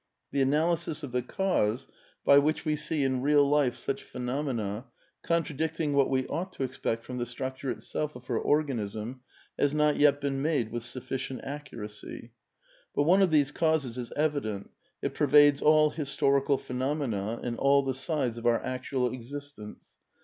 The analysis of the cause by which we see in real life such phenomena, contra dicting what we ought to expect from the structure itself of her oi^anism, has not yet been made with sufficient accuracy. But one of these causes is evident ; it pervades all historical phenomena, and all the sides of our actual existence.